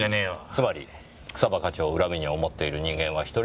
つまり草葉課長を恨みに思っている人間は１人も見当たらなかった。